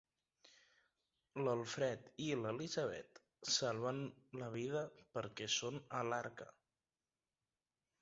L'Alfred i l'Elisabet salven la vida perquè són a l'Arca.